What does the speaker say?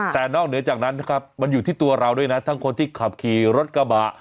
แต่นอกเหนือจากนั้นนะครับมันอยู่ที่ตัวเราด้วยนะทั้งคนที่ขับขี่รถกระบะ